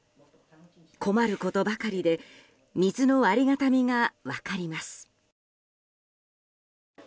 困ることばかりで水のありがたみが分かります。